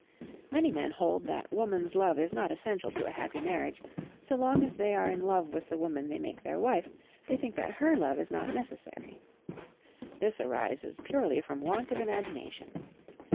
Many men hold that woman's love is not essential to a happy marriage, so long as they are in love with the woman they make their wife they think that her love is not necessary. This arises purely from want of imagination.